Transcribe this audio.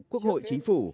quốc hội chính phủ